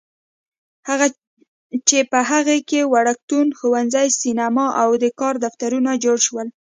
چې په هغې کې وړکتون، ښوونځی، سینما او د کار دفترونه جوړ شول.